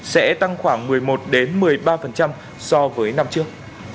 sẽ tăng khoảng một mươi một một mươi ba so với năm trước